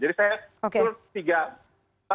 jadi saya setuju tiga